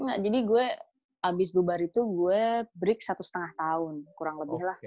enggak jadi gue abis bubar itu gue break satu setengah tahun kurang lebih lah